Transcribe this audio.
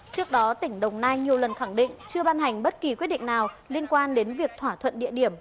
trước đó tỉnh đồng nai nhiều lần khẳng định chưa ban hành bất kỳ quyết định nào liên quan đến việc thỏa thuận địa điểm